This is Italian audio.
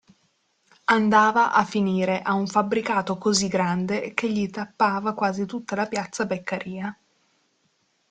Andava a finire a un fabbricato così grande che gli tappava quasi tutta la Piazza Beccaria.